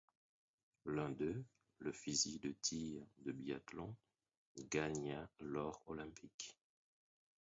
L'un d’eux, le fusil de tir de biathlon, gagna l'or olympique.